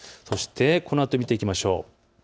このあと見ていきましょう。